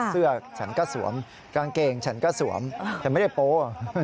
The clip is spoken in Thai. เสื้อฉันก็สวมกางเกงฉันก็สวมฉันไม่ได้โป๊ะ